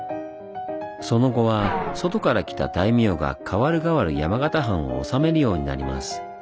その後は外から来た大名が代わる代わる山形藩を治めるようになります。